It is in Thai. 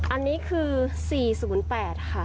อันนี้คือ๔๐๘ค่ะ